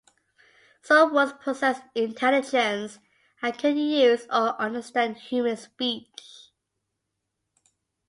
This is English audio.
Some Wargs possessed intelligence and could use or understand human speech.